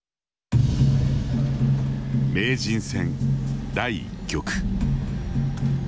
名人戦第１局。